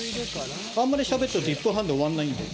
あんまりしゃべってると１分半で終わらないんで。